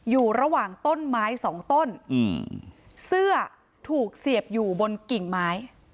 อยู่ระหว่างต้นไม้สองต้นอืมเสื้อถูกเสียบอยู่บนกิ่งไม้